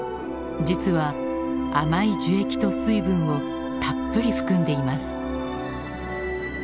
実は甘い樹液と水分をたっぷり含んでいます。